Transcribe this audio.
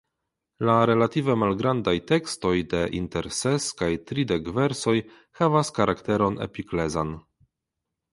La relative malgrandaj tekstoj de inter ses kaj tridek versoj havas karakteron epiklezan.